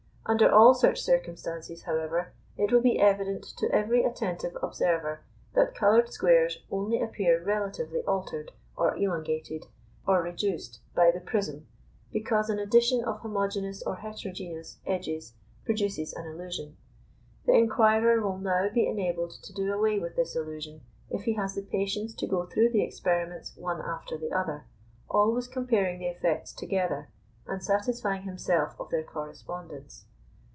Under all such circumstances, however, it will be evident to every attentive observer that coloured squares only appear relatively altered, or elongated, or reduced by the prism, because an addition of homogeneous or heterogeneous edges produces an illusion. The inquirer will now be enabled to do away with this illusion if he has the patience to go through the experiments one after the other, always comparing the effects together, and satisfying himself of their correspondence.